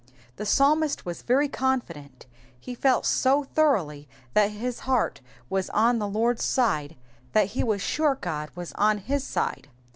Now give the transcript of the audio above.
The psalmist was very confident, he felt so thoroughly that his heart was on the Lord's side that he was sure God was on his side.